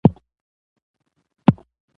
ښکار دي